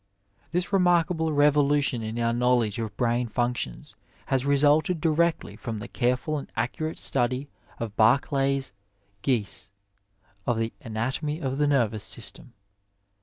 This remarkable revolution in our knowledge of brain functions has resulted directly from the careful and accurate study by Barclay's " geese," of the anatomy of the nervous system.